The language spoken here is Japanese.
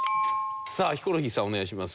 ヒコロヒーさんお願いします。